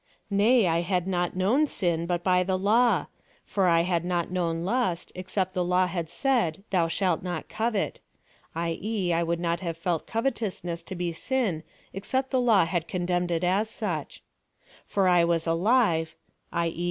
Nay, I had not known sin, but by the law; for I had not known lust, except tlie law had said Tliou shalt not covet ; (i. e. I would not have felt covetousness to be sin, except the law had condemned it as such :) For I was alive, (i. e.